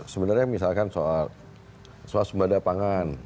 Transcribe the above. sebenarnya misalkan soal soal sumberda pangan